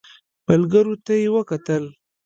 ملګرو ته يې وکتل.